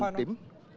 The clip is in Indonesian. saya dan tim